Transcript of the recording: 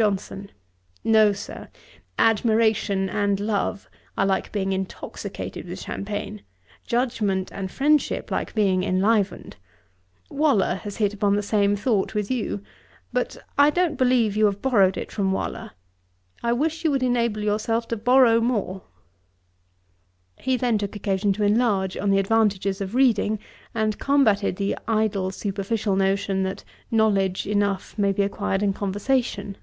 JOHNSON. 'No, Sir; admiration and love are like being intoxicated with champagne; judgement and friendship like being enlivened. Waller has hit upon the same thought with you: but I don't believe you have borrowed from Waller. I wish you would enable yourself to borrow more.' He then took occasion to enlarge on the advantages of reading, and combated the idle superficial notion, that knowledge enough may be acquired in conversation.